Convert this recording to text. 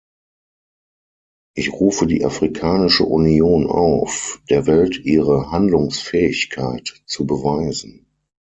Ich rufe die Afrikanische Union auf, der Welt ihre Handlungsfähigkeit zu beweisen.